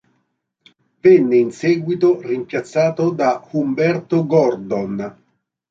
Venne in seguito rimpiazzato da Humberto Gordon.